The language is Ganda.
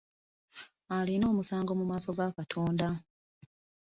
Alina omusango mu maaso ga katonda.